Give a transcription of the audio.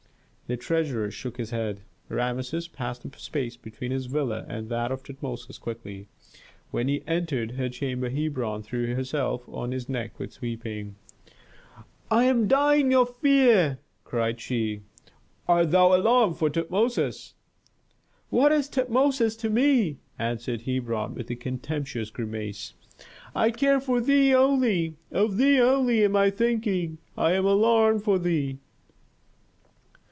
The treasurer shook his head. Rameses passed the space between his villa and that of Tutmosis quickly. When he entered her chamber Hebron threw herself on his neck with weeping. "I am dying of fear!" cried she. "Art thou alarmed for Tutmosis?" "What is Tutmosis to me?" answered Hebron, with a contemptuous grimace. "I care for thee only! Of thee only am I thinking, I am alarmed for thee!"